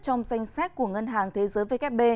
trong danh sách của ngân hàng thế giới vkp